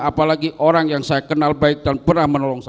apalagi orang yang saya kenal baik dan pernah menolong saya